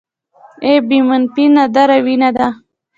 اې بي منفي نادره وینه ده